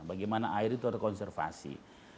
bagaimana air itu konservasi